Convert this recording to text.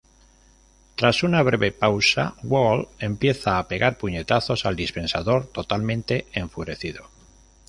Tras una breve pausa, Walt empieza a pegar puñetazos al dispensador totalmente enfurecido.